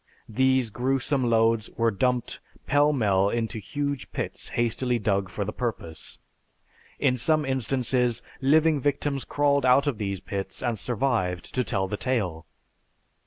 These gruesome loads were dumped pell mell into huge pits hastily dug for the purpose. In some instances, living victims crawled out of these pits and survived to tell the tale.